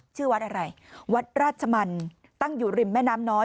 ชื่อวัดอะไรวัดราชมันตั้งอยู่ริมแม่น้ำน้อย